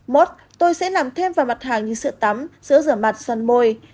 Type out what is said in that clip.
mốt tôi sẽ làm thêm vào mặt hàng như sữa tắm sữa rửa mặt xoăn môi